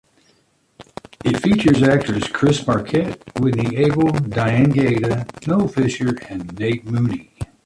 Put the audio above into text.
It features actors Chris Marquette, Whitney Able, Diane Gaeta, Noel Fisher, and Nate Mooney.